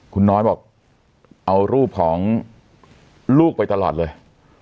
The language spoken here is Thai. คุณน้อยบอกเอารูปของลูกไปตลอดเลย